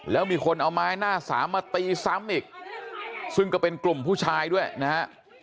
แล้วมีคนเอาไม้หน้าสามมาตีซ้ำอีกซึ่งก็เป็นกลุ่มผู้ชายด้วยนะฮะ